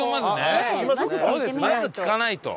まず聞かないと。